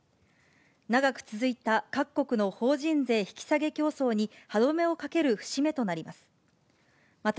長く続いた各国の法人税引き下げ競争に歯止めをかける節目となります。